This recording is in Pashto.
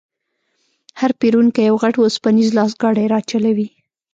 هر پېرونکی یو غټ وسپنیز لاسګاډی راچلوي.